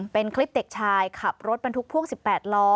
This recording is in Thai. เป็นคลิปเด็กชายขับรถบรรทุกพ่วง๑๘ล้อ